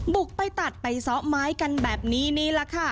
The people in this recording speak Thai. บุกไปตัดไปซ้อไม้กันแบบนี้นี่แหละค่ะ